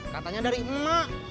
katanya dari emak